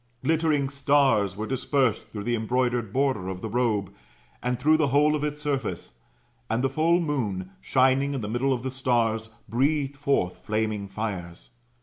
Glittering stars were dispersed through the embroidered border of the robe, and through the whole of its surface: and the full moon, shining in the middle of the stars, breathed forth flaming fires.